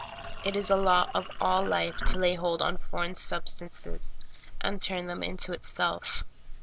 It is a law of all life to lay hold on foreign sub stances and turn them into itself.